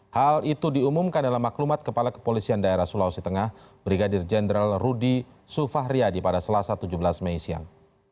hal itu diumumkan dalam maklumat kepala kepolisian daerah sulawesi tengah brigadir jenderal rudy sufahriyadi pada selasa tujuh belas mei siang